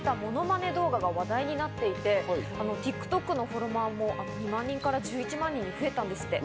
最近ＳＮＳで始めたモノマネ動画が話題になっていて、ＴｉｋＴｏｋのフォロワーも２万人から１１万人に増えたんですって。